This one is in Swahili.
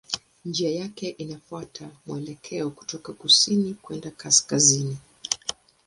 Njia yake inafuata mwelekeo kutoka kusini kwenda kaskazini.